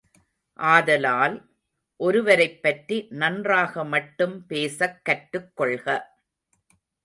ஆதலால், ஒருவரைப்பற்றி நன்றாக மட்டும் பேசக் கற்றுக் கொள்க!